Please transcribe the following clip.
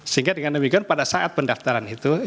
sehingga dengan demikian pada saat pendaftaran itu